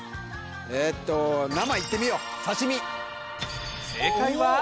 えっと生行ってみよう刺し身。